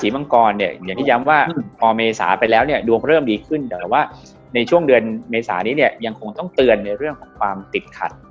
พอเมษาไปแล้วดวงเริ่มดีขึ้นแต่ว่าในช่วงเดือนเมษานี้ยังคงต้องเตือนในเรื่องของความติดขัด